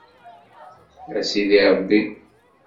A sidi Ṛebbi.